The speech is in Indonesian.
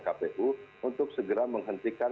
kpu untuk segera menghentikan